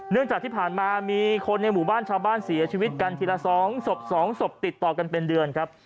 จากที่ผ่านมามีคนในหมู่บ้านชาวบ้านเสียชีวิตกันทีละ๒ศพ๒ศพติดต่อกันเป็นเดือนครับ